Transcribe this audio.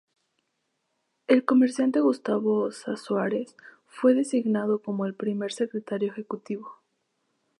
El comerciante Gustavo Ossa Suárez fue designado como el primer Secretario Ejecutivo.